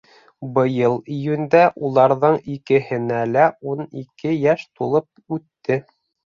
Быйыл июндә уларҙың икеһенә лә ун ике йәш тулып үтте.